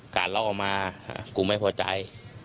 ก่อนล็อคออกมาก็ไม่พอใจ